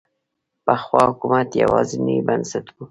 پخوا حکومت یوازینی بنسټ و.